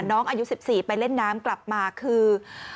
น้องอายุ๑๔ไปเล่นน้ำกลับมาคือ